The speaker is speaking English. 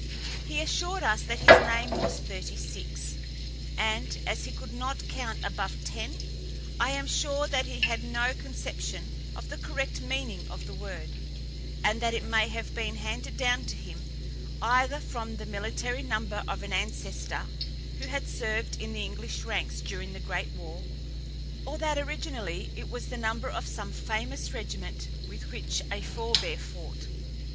He assured us that his name was Thirty six, and, as he could not count above ten, I am sure that he had no conception of the correct meaning of the word, and that it may have been handed down to him either from the military number of an ancestor who had served in the English ranks during the Great War, or that originally it was the number of some famous regiment with which a forbear fought.